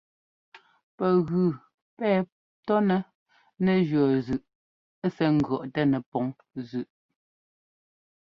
Pɛgʉ pɛ tɔ́nɛ nɛ jʉɔ́ zʉꞌ sɛ́ ŋgʉ̈ɔꞌtɛ nɛpɔŋ zʉꞌ.